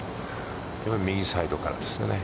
右サイドからですね。